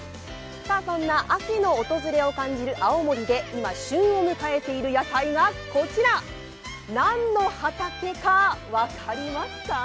そんな秋の訪れを感じる青森で今、旬を迎えている野菜がこちら、何の畑か分かりますか？